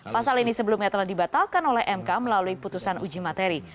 pasal ini sebelumnya telah dibatalkan oleh mk melalui putusan uji materi